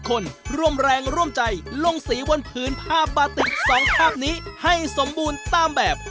คนร่วมแรงร่วมใจลงสีบนผืนภาพบาติก๒ภาพนี้ให้สมบูรณ์ตามแบบ